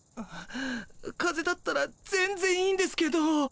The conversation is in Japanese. かぜだったら全ぜんいいんですけど。